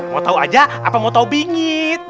mau tahu aja apa mau tahu bingit